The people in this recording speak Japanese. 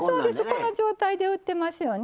この状態で売ってますよね。